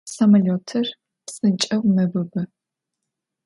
Samolötır psınç'eu mebıbı.